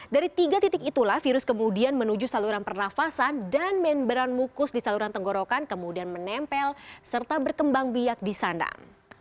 dari tiga titik itulah virus kemudian menuju saluran pernafasan dan membran mukus di saluran tenggorokan kemudian menempel serta berkembang biak di sandang